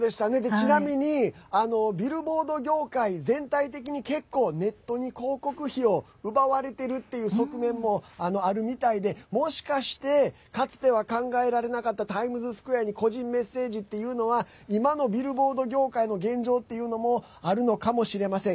ちなみにビルボード業界全体的に結構ネットに広告費を奪われているっていう側面もあるみたいでもしかしてかつては考えられなかったタイムズスクエアに個人メッセージっていうのは今のビルボード業界の現状っていうのもあるのかもしれません。